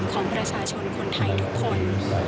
ของประชาชนคนไทยทุกคน